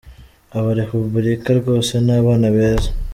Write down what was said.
Aba Repubulika rwose ni abana beza!